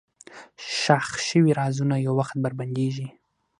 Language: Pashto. ښخ شوي رازونه یو وخت بربنډېږي.